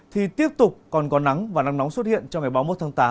thì tiếp tục còn có nắng và nắng nóng xuất hiện trong ngày ba mươi một tháng tám